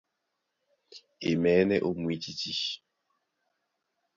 E maɛ̌nɛ́ ó mwǐtítí.